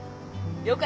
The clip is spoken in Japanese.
了解。